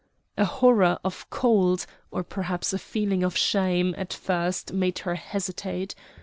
A horror of cold, or perhaps a feeling of shame, at first made her hesitate.